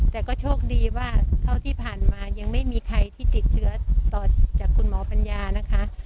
แต่ก็โชคดีว่าเท่าที่ผ่านมายังไม่มีใครที่ติดเชื้อต่อจากคุณหมอปัญญานะคะ